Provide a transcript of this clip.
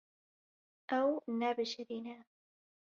Ew nebişirîne.